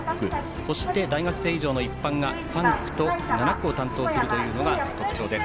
そして、大学生以上の一般が３区と７区を担当するというのが特徴です。